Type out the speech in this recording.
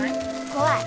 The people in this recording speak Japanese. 怖い。